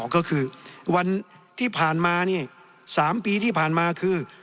ก็คือวันที่ผ่านมา๓ปีที่ผ่านมาคือ